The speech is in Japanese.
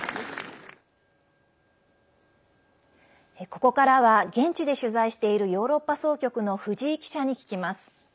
ここからは現地で取材しているヨーロッパ総局の藤井記者に聞きます。